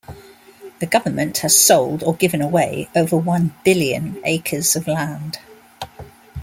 The government has sold or given away over one billion acres of land.